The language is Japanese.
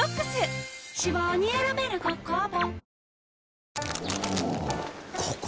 脂肪に選べる「コッコアポ」